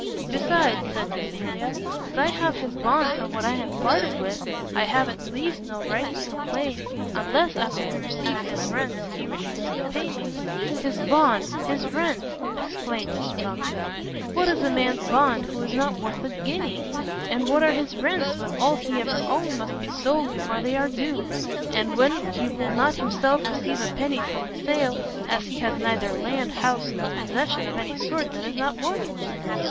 "Besides," said Cecilia, "as I have his bond for what I have parted with, I have, at least, no right to complain, unless, after he receives his rents, he refuses to pay me." "His bonds! his rents!" exclaimed Mr Monckton, "what is a man's bond who is not worth a guinea? and what are his rents, when all he ever owned must be sold before they are due, and when he will not himself receive a penny from the sale, as he has neither land, house, nor possession of any sort that is not mortgaged?"